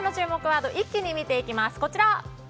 ワード一気に見ていきます。